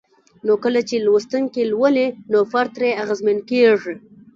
نو کله چې لوستونکي لولي نو فرد ترې اغېزمن کيږي